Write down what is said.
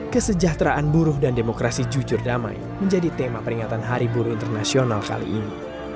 kesejahteraan buruh dan demokrasi jujur damai menjadi tema peringatan hari buruh internasional kali ini